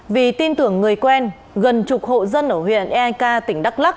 vì tin tưởng người quen gần chục hộ dân ở huyện eak tỉnh đắk lắc